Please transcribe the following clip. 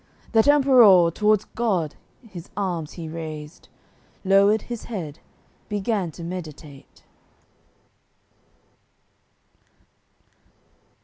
That Emperour t'wards God his arms he raised Lowered his head, began to meditate.